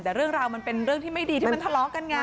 แต่เรื่องราวมันเป็นเรื่องที่ไม่ดีที่มันทะเลาะกันไง